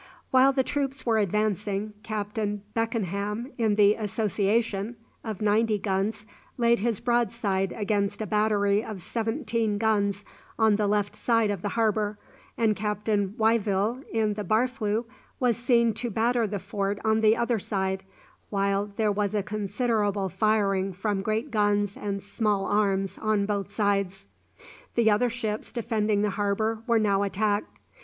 While the troops were advancing, Captain Beckenham in the "Association," of ninety guns, laid his broadside against a battery of seventeen guns on the left side of the harbour, and Captain Wyvill in the "Barfleur" was sent to batter the fort on the other side, while there was a considerable firing from great guns and small arms on both sides. The other ships defending the harbour were now attacked.